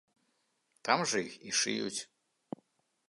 Там жа іх і шыюць.